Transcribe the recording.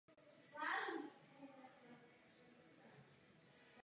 Zdrojnice byla opět rozšířena pozdějšími císaři.